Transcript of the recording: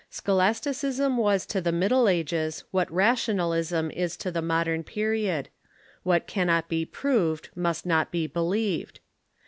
Scholasticism was to the Middle Ages what rationalism is to the modern period — what cannot be proved must not be believed.